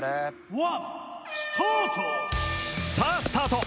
さあスタート